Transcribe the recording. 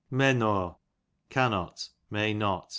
Mennaw, cannot , may not.